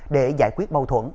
để giải quyết bâu thuẫn